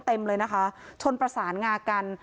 เต็มเลยนะคะชนประสานงากัน